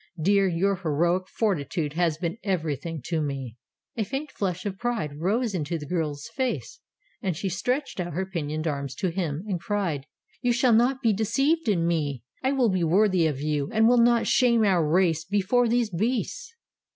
Dear, your heroic fortitude has been everything to me." A faint flush of pride rose into the girl's face, and she stretched out her pinioned arms to him, and cried: "You shall not be deceived in me. I will be worthy of you, and will not shame our race before these beasts."